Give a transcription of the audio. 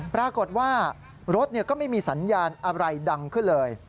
ปรากฏว่ารถก็ไม่มีสัญญาณอะไรดังขึ้นเลย